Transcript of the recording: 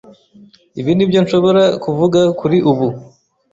Ibi nibyo nshobora kuvuga kuri ubu.